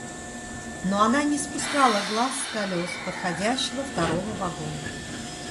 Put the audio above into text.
Но она не спускала глаз с колес подходящего второго вагона.